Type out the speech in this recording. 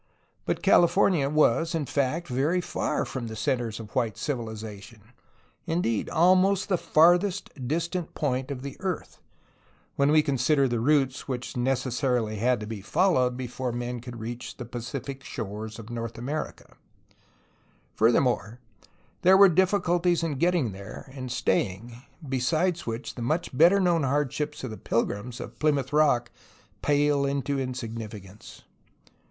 But California was in fact very far from the centres of white civilization, — indeed, almost the farthest distant point of the earth, when we consider the routes which necessarily had to be followed before men could reach the Pacific shores of North America. Further 4 A HISTORY OF CALIFORNIA more, there were difficulties in getting there and staying, beside which the much better known hardships of the Pil grims of Plymouth Rock pale into insignificance.